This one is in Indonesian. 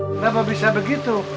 kenapa bisa begitu